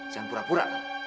jangan pura pura kang